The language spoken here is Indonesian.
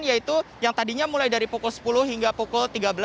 yaitu yang tadinya mulai dari pukul sepuluh hingga pukul tiga belas